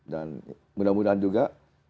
dan mudah mudahan juga